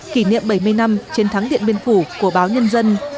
kỷ niệm bảy mươi năm chiến thắng điện biên phủ của báo nhân dân